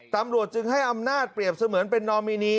ตำรวจจึงให้อำนาจเปรียบเสมือนเป็นนอมินี